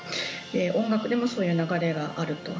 音楽でもそういう流れがあると。